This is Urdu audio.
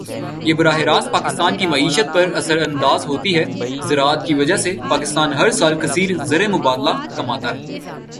یہ براہِ راست پاکستان کی معیشت پر اثر اندازہوتی ہے۔ زراعت کی وجہ سے پاکستان ہر سال کثیر زرمبادلہ کماتا ہے.